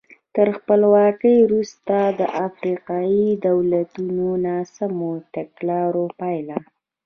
تر خپلواکۍ وروسته د افریقایي دولتونو ناسمو تګلارو پایله وه.